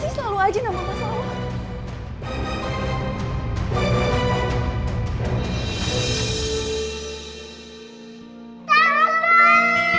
kenapa sih selalu aja nama nama selalu